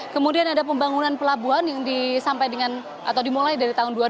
kemudian ada pembangunan pelabuhan yang dimulai dari tahun dua ribu lima belas